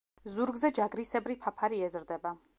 ზურგზე ჯაგრისებრი ფაფარი ეზრდება.